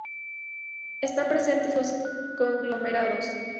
Están presentes los conglomerados.